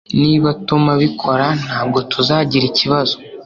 Niba Tom abikora, ntabwo tuzagira ikibazo.